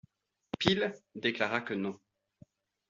Peel déclara que non.